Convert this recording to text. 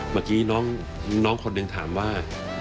เมื่อกี้น้องคนหนึ่งถามว่า